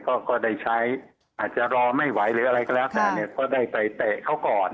ก็ได้ใช้อาจจะรอไม่ไหวหรืออะไรก็แล้วแต่เนี่ยก็ได้ไปเตะเขาก่อน